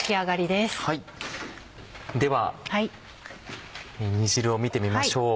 では煮汁を見てみましょう。